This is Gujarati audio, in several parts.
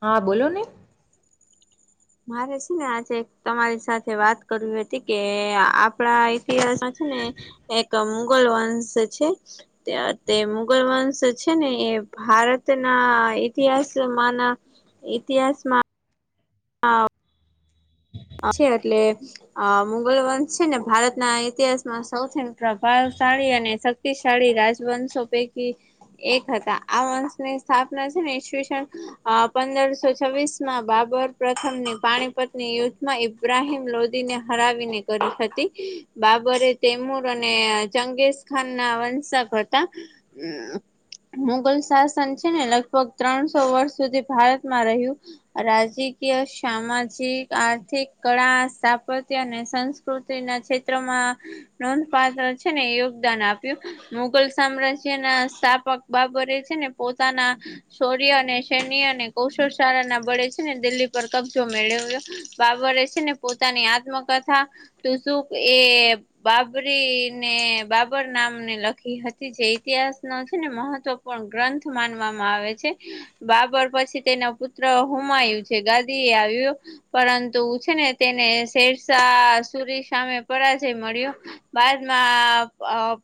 હા બોલો ને મારે છે ને આજે તમારી સાથે વાત કરવી હતી કે આપડા ઈતિહાસમાં છે ને- એક મુઘલ વંશ છે. તે મુઘલ વંશ છે ને એ ભારતના ઇતિહાસમાં ના ઇતિહાસમાં આ છે એટલે અ મુઘલ વંશ છે ને ભારતના ઇતિહાસમાં સૌથી પ્રભાવશાળી અને સ શક્તિશાળી રાજવંશો પૈકી એક હતા આ વંશ ની સ્થાપના છે ઈસ્વીસન આ પંદરસો છવ્વીસ માં બાબર પ્રથમ ની પાણીપતની યુદ્ધ માં ઈબ્રાહીમ લોધીને હરાવીને કરી હતી. બાબરે તૈમુર અને અ ચંગેજ ખાન ના વંશક હતા [inaudible] મુગલ શાસન છે ને લગભગ ત્રણસો વર્ષ સુધી ભારતમાં રહ્યું રાજકીય સામાજિક આર ર્થિક કળા સ્થાપત્ય અને સંસ્કૃતિના ક્ષેત્રમાં નોંધપાત્ર છે ને યોગદાન આપ્યું મુગલ સામ્રાજ્ય ના સ્થાપક બાબરે છે ને પોતાના શૌર્ય અને સૈન્ય અને કૌશલ શાળા ના બળે છે ને દિલ્હી પર કબજો મેળવ્યો. બાબરે છે ને પોતાની આત્મકથા તું શું એ બાબરી ને બાબર નામને લખી હતી જે ઇતિહાસ નો છે ને મહત્વ પૂર્ણ ગ્રંથ માનવામાં આવે છે. બાબર પછી તેના પુત્ર હુમાયું છે ગાદી એ આવ્યું પરં તું છે ને તેને શેરશાહ સૂરી સામે પરાજય મળ્યો. બાદમાં પ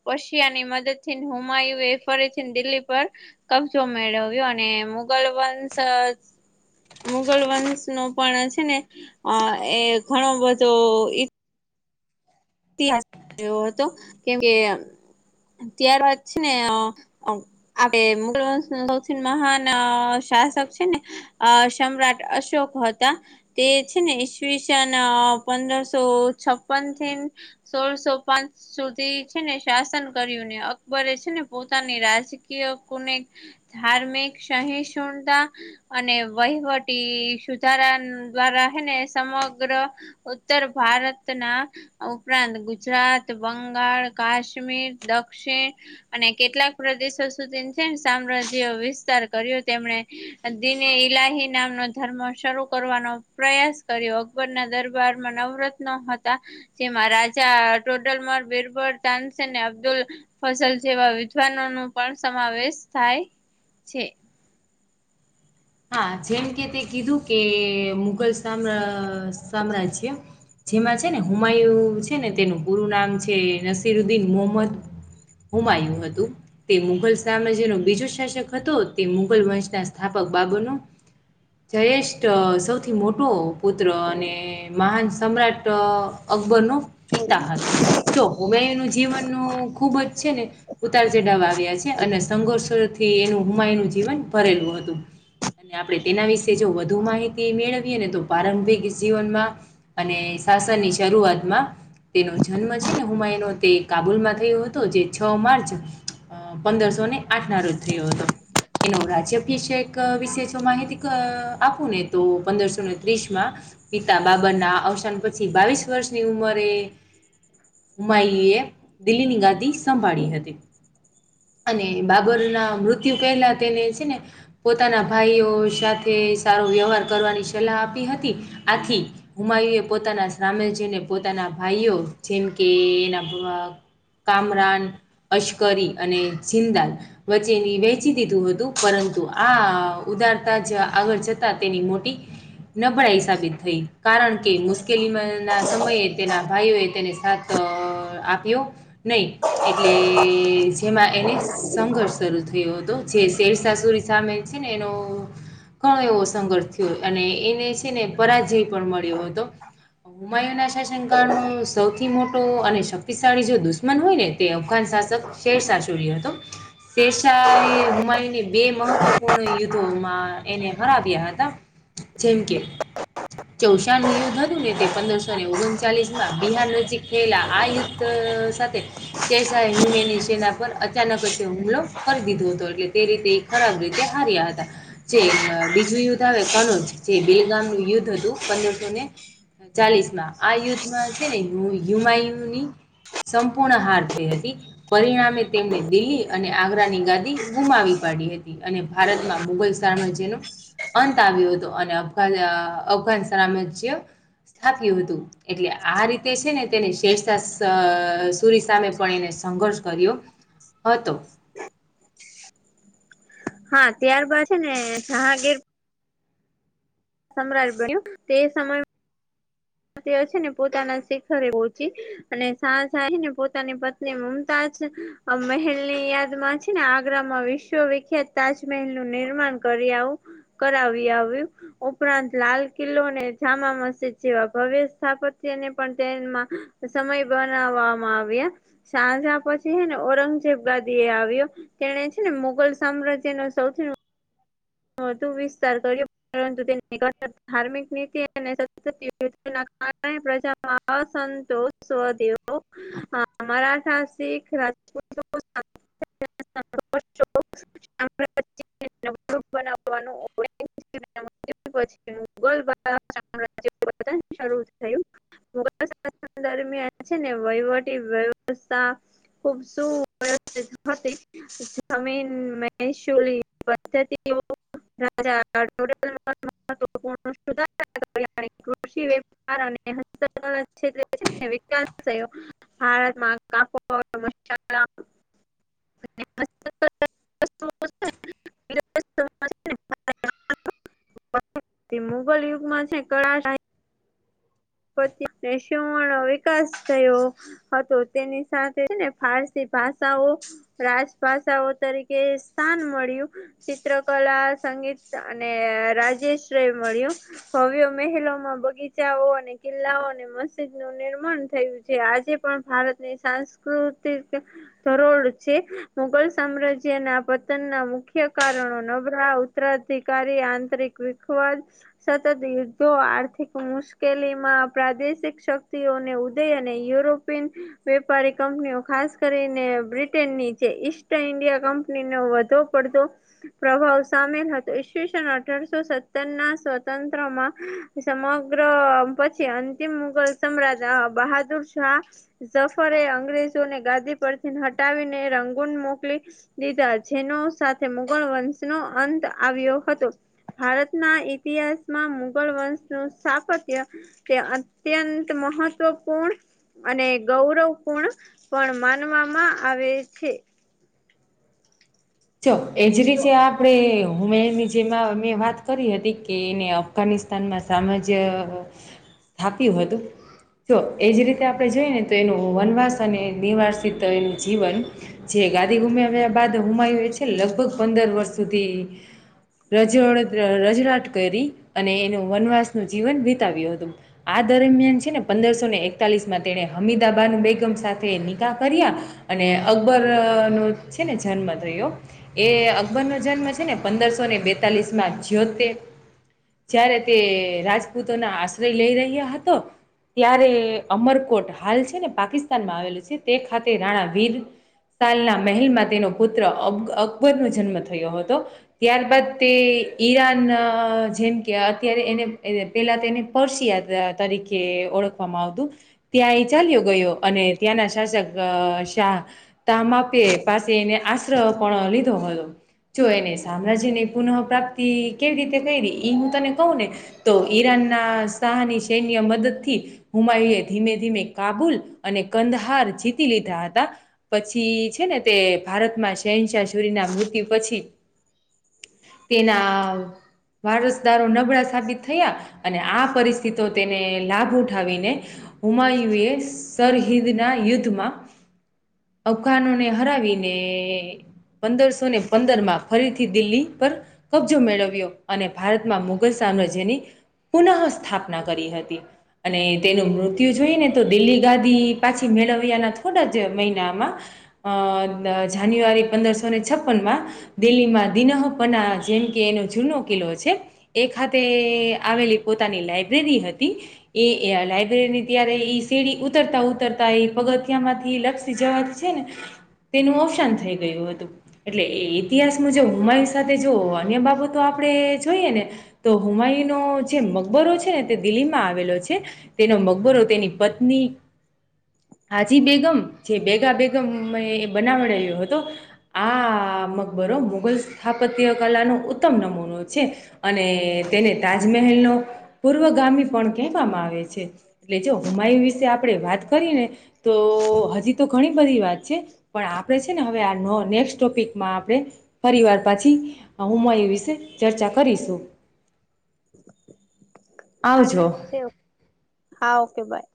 પશિયા ની મદદ થી હુમાયુ એ ફરીથીને દિલ્હી પર કબજો મેળવ્યો અને મુગલ વંશજ મુગલ વંશ નો પણ છે ને અ એ ઘણો બધો ઈ તીહાસ રહ્યો હતો કેમકે અ ત્યારબાદ છે ને અ આપે મુગલ વંશ નો સૌથી મહાન અ શાસક છે ને અ સમ્રાટ અશોક હતા તે છે ને ઈસવીસન અ પંદરસો છપ્પન થી સોળસો પચ સુધી છે ને શાસન કર્યું ને અકબરે છે ને પોતાની રાજકીય કોને ધાર્મિક સહિષ્ણુતા અને વહીવટી સુધારા દ્વારા હે ને સમગ્ર ઉત્તર ભારતના ઉપરાંત ગુજરાત, બંગાળ, કાશ્મીર, દક્ષિણ અને કેટલાક પ્રદેશો સુધી છે ને સામ્રાજ્ય વિસ્તાર કર્યો તેમણે અદ્દ્દીન ઈલાહી નામનો ધર્મ શરૂ કરવાનો પ્રયાસ કર્યો. અકબર ના દરબારમાં નવરત્નો હતા. તેમાં રાજા, [unintelligible] બીરબલ, તાનસેન ને અબ્દુલ ફસલ જેવા વિદ્વાનોનો પણ સમાવેશ થાય છે. હા, જેમ કે તે કીધુ કે મુઘલ સામ્ર સામ્રાજ્ય જેમાં છે ને હુમાયુ છે ને તેનું પૂરું નામ છે નસીરુદ્દીન મોહમ્મદ. હુમાયુ હતું. તે મુઘલ સામ્રાજ્યનો બીજો શાસક હતો, તે મુઘલ વંશના સ્થાપક બાબરનો જયેષ્ઠ સૌથી મોટો પુત્ર અને મહાન સમ્રાટ અકબરનો પિતા હતો. જો હુમાયુનું જીવનનું ખુબ જ છે ને ઉતાર ચડાવવા આવ્યા છે અને સંઘર્ષોથી એનું હુમાયનું જીવન ભરેલું હતું. અને આપણે તેના વિશે જો વધુ માહિતી મેળવીએ ને તો પ્રારંભિક જીવનમાં અને શાસનની શરૂઆતમાં તેનો જન્મ છે ને હુમાયુનો તે કાબુલમાં થયો હતો જે છ માર્ચ અ પંદરસો ને આઠ ના રોજ થયો હતો. એનો રાજ્યભિષેક વિશે જો માહિતી ક આપું ને તો પંદરસોને ત્રીસમાં પિતા બાબરના અવસાન પછી બાવીસ વર્ષની ઉંમરે હુમાયુએ દિલ્હીની ગાદી સંભાળી હતી. અને બાબર ના મૃત્યુ પહેલા તેને છે ને પોતાના ભાઈઓ સાથે સારો વ્યવહાર કરવાની સલાહ આપી હતી, આથી હુમાયું એ પોતાના સામે જેને પોતાના ભાઈઓ જેમ કે એના [inaudible] કામરાન અશ્કરી અને જિંદલ વચ્ચેની વેચી દીધું હતું પરં- તુ આ ઉદારતા જ આગળ જતા તેની મોટી નબળાઈ સાબિત થઈ. કારણ કે મુશ્કેલી મ ના સમયે તેના ભાઈઓ એ તેને સાથ આપ્યો. નય એટલે જેમાં એને સંઘર્ષ શરૂ થયો હતો. જે શેરશાહ સુરી સામે છે ને એનો ઘણો એવો સંઘર્ષ થ્યો અને એને છે ને પરાજય પણ મળ્યો હતો. હુમાયુના શાસનકાળનો સૌથી મોટો અને શક્તિશાળી જો દુશ્મન હોય ને તે [unintelligible] શાસક શેરશાહ સૂરી હતો. શેરશાહ એ હુમાયુને બે મહત્વપૂર્ણ યુદ્ધોમાં એને હરાવ્યા હતા, જેમ કે ચોસાનો યુદ્ધ હતું ને તે પંદરસોને ઓગણચાલીસમાં બિહાર નજીક થયેલા આ યુદ્ધ સાથે શેરશાહે હુમેની સેના પર અચાનક જ હુમલો કરી દીધો હતો એટલે તે રીતે એ ખરાબ રીત તે હાર્યા હતા. જેમ બીજું યુદ્ધ આવે કનુજ જે બે ગામનું યુદ્ધ હતું પંદરસોને ચાલીસમાં આ યુદ્ધમાં છે ને હુ હુમાયુની સંપૂર્ણ હાર થઈ હતી. પરિણામે તેમને દિલ્હી અને આગ્રાની ગાદી ગુમાવી પાડી હતી. અને ભારતમાં મુગલ સામ્રાજ્યનું અંત આવ્યો હતો અને અફઘાન અફઘાન સામ્રાજ્ય સ્થાપ્યું હતું. એટલે આ રીતે છે ને તેની શેરશાહ સુરી સામે પણ એને સંઘર્ષ કર્યો હતો. હા ત્યારબાદ છે ને જહાંગીર સમ્રાટ બન્યો તે સમયે છે ને પોતાના શિખરે પહોંચી અને શાહજહાં એ હે ને પોતાની પત્ની મુમતાઝ આ મહેલની યાદ માં છે ને આગ્રામાં વિશ્વવખ્યાત તાજમહેલ નું નિર્માણ કરી આવું કરાવી આવ્યું ઉપરાંત લાલ કિલ્લોને જામા મસ્જિદ જેવા ભવ્ય સ્થાપત્યને પણ તેમાં સમય બનાવવામાં આવ્યા. શાહજહાં પછી હે ને ઔરંગઝેબ ગાદી એ આવ્યો તેણે છે ને મુગલ સામ્રાજ્યનો સૌથી હ તું વીસ તારખ પરંતુ તે [unintelligible] ધાર્મિક નીતિ અને સ કારણે પ્રજા [unintelligible] આ સંતોષ સ્વદેવો હા અમારા સાહસિક રાજકો [unintelligible] ફૂટ બનાવવાનું હોય [unintelligible] [unintelligible] થયું મુઘલ સામ્રાજ્ય દરમિયાન છે ને વહીવટી વ્યવસ્થા ખૂબ શું [unintelligible] જમીન મહેસૂલી [unintelligible] કૃષિ વેપાર [unintelligible] છે [inaudible] વિકાસ થયો [unintelligible] અને હસ્તકલા વસ્તુઓ [unintelligible] [unintelligible] મુગલ યુગમાં છે [unintelligible] [unintelligible] વિકાસ થયો [unintelligible] સાથેને ફારસી ભાષાઓ રાજભાષાઓ તરીકે સ્થાન મળ્યું ચિત્રકલા, સંગીત અને રાજ્યાશ્રય મળ્યું ભવ્યો મહેલો માં બગીચાઓ અને કિલ્લાઓ અને મસ્જિદ નું નિર્માણ થયું છે આજે પણ ભારતની સાંસ્કૃતિક ધરોડ છે મુઘલ સામ્રાજ્ય ના પતન ના મુખ્ય કારણો નબ અધિકારી આંતરિક વિશ્વાસ સતત [unintelligible] આર્થિક મુશ્કેલી મા આપડા જે શિક્ષક છે એઓને ઉદય અને યુરોપિયન વેપારી કંપનીઓ ખાસ કરીને બ્રિટનની જે ઈસ્ટ ઈન્ડિયા કંપની ને વધુ પડતો પ્રભાવ સામેલ હતો. ઈસવીસન અઠારસો સત્તર ના સ્વતંત્રમાં સમગ્ર પછી અંતિમ મુઘલ સમ્રાટ બહાદુર શાહ ઝફરે અંગ્રેજોને ગાદી પરથી હટાવીને રંગુન મોકલી દીધા જેનો સાથે મુગલ વંશનો અંત આવ્યો હતો. ભારતના ઇતિહાસમાં મુઘલ વંશ નું સ્થાપત્ય તે અત્યંત મહત્વપૂર્ણ અને ગૌરવપૂર્ણ પણ માનવામાં આવે છે ચ એજ ર જે આપણે હુમેનની જેમાં મે વાત કરી હતી કે એમને અફઘાનિસ્તાનમાં સામ્રાજ્ય સ્થાપ્યું હતું. જો એજ રીતે આપણે જોઈએ ને તો એનું વનવાસ અને નિવાસિત એનું જીવન જે ગાદી ગુમ્યા આવ્યા બાદ હુમાયુએ છેને લગભગ પંદર વર્ષ સુધી [inaudible] [inaudible] કરી અને એનું વનવાસનું જીવન વિતાવ્યું હતું. આ દરમિયાન છે ને પંદરસોને એકતાલીસમાં તેને હમીદાબાન બેગમ સાથે નિગાહ કર્યા. અને અકબરનો છે ને જન્મ થયો. એ અકબરનો જન્મ છે ને પંદરસોને બેતાલીસમાં છ્યોતેર જયારે તે રાજપૂતોના આશ્રય લઈ રહ્યા હતાં ત્યારે અમરકોટ, હાલ છે ને પાકિસ્તાનમાં આવેલું છે તે ખાતે રાણા વીર સુલતાનના મહેલમાં તેના પુત્ર અકબરનો જન્મ થયો હતો. ત્યારબાદ તે ઈરાન જેમ કે અત્યારે એને [inaudible] પેલા તેને પારસી તરીકે ઓળખવામાં આવતો. ત્યાં એ ચાલ્યો ગયો અને ત્યાં ના શાસક શાહ તામાં તે પાસે એને આશરો પણ લીધો હોય. જો એની સામ્રાજ્યની પુનઃ પ્રાપ્તિ કેવી રીતે કરી એ હું તને કહું ને તો ઈરાનના શાહની સૈન્ય મદદ થી હુમાયુએ ધીમે ધીમે કાબુલ અને કંધહાર જીતી લીધા હતા. પછી છે ને તે ભારતમાં શહેનશાહ સુરીના મૃત્યુ પછી તેના વારસદારો નબળા સાબિત થયા. અને આ પરિસ્થિતિનો તેને લાભ ઉઠાવીને હુમાયુએ સરહિન્દના યુદ્ધમાં અફઘાનોને હરાવીને પંદરસોને પંદરમાં ફરીથી દિલ્હી ઉપર કબજો મેળવ્યો અને ભારતમાં મુઘલ સામ્રાજ્યની પુનઃ સ્થાપના કરી હતી. અને તેનું મૃત્યુ જોઈને તો દિલ્હી ગાદી પાછી મેળવ્યાના થોડા જ મહિનામાં અ જાન્યુઆરી પંદરસોને છપ્પનમાં દિલ્હીમાં દિનહપના જેમ કે એનો જૂનો કિલ્લો છે. એ ખાતે આવેલી પોતાની લાઈબ્રેરી હતી. એ આ લાયબ્રેરીની ત્યારે એ સીડી ઉતરતા ઉતરતા એ પગથિયા માંથી લપસી જવાથી છે ને તેનું અવસાન થઈ ગયું હતું. એટલે ઇતિહાસ મુજબ હુમાયુ સાથે જો અન્ય બાબતો આપણે જોઈએ ને તો હુમાયનો જે મકબરો છે ને તે દિલ્હીમાં આવેલો છે તેનો મકબરો તેની પત્ની હાજી બેગમ છે જે બેગા બેગમ એ બનાવડાવ્યો હતો. આ મકબરો મુઘલ સ્થાપત્ય કલાનો ઉત્તમ નમૂનો છે. અને તેને તાજમહેલનો પૂર્વગામી પણ કહેવામાં આવે છે. એટલે જો હુમાયુ વિશે આપણે વાત કરી ને તો હજી તો ઘણી બધી વાત છે પણ આપણે છે ને હવે આ નેક્સ્ટ ટોપિકમાં આપણે ફરી વાર પાછા હુમાયુએ વિશે ચર્ચા કરીશું. હા આવજો ઠીક છે, હા ઓકે બાય.